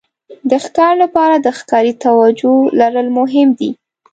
د ښکار لپاره د ښکاري توجو لرل مهم دي.